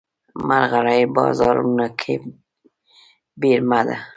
مرغلرې بازارونو کې پیرمه